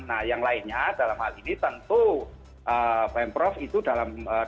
nah yang lainnya dalam hal ini tentu pm prof itu dalam pertimbangannya